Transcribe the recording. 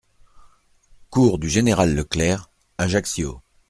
Cours du Général Leclerc, Ajaccio